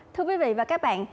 thưa quý vị và các bạn